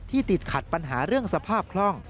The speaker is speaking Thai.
ติดขัดปัญหาเรื่องสภาพคล่อง